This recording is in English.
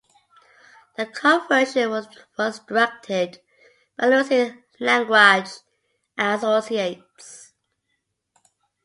The conversion was directed by Lucien Lagrange and Associates.